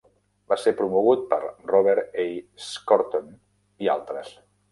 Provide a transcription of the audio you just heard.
Va ser promogut per Robert A. Schorton, i altres.